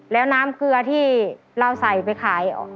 แล้วน้ำเกลือที่เราใส่ไปขาย